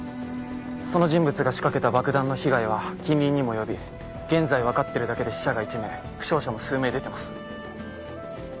その人物が仕掛けた爆弾の被害は近隣にも及び現在分かってるだけで死者が１名負傷者も数名出てます。